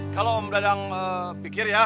kalau om radang pikir ya